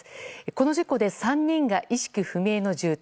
この事故で３人が意識不明の重体。